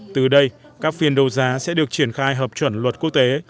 từ đây các phiên đấu giá sẽ được triển khai hợp chuẩn luật quốc tế